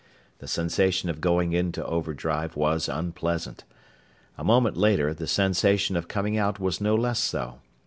The sensation of going into overdrive was unpleasant. A moment later, the sensation of coming out was no less so.